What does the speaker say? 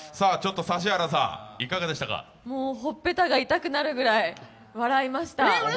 ほっぺたが痛くなるぐらい、笑いました。